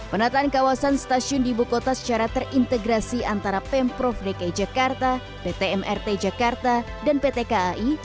penataan kawasan stasiun di ibu kota secara terintegrasi antara pemprov dki jakarta pt mrt jakarta dan pt kai